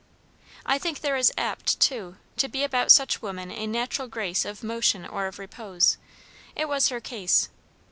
I think there is apt, too, to be about such women a natural grace of motion or of repose; it was her case.